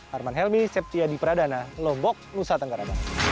harman helmy septiady pradana lombok nusa tenggara